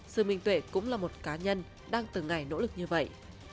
sự minh tuệ cũng là một cá nhân đang từng ngày nỗ lực như vậy